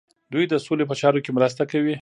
دوی د سولې په چارو کې مرسته کوي.